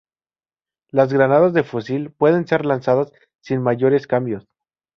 Las granadas de fusil pueden ser lanzadas sin mayores cambios.